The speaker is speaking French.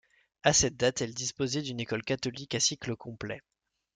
À cette date elle disposait d'une école catholique à cycle complet.